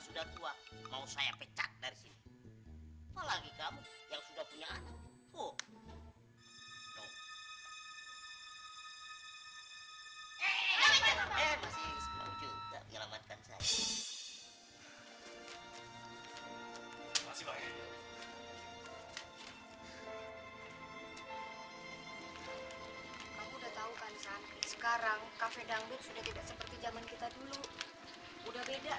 udah dulu ya saya pulang dulu ya hati hati dadah makasih ya wih